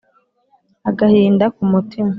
Agahinda ku mutima.